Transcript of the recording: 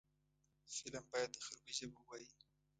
فلم باید د خلکو ژبه ووايي